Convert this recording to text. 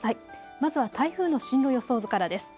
まずは台風の進路予想図からです。